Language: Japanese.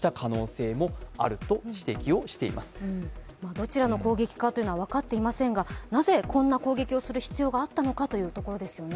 どちらの攻撃かというのは分かっていませんが、なぜこんな攻撃をする必要があったのかというところですよね。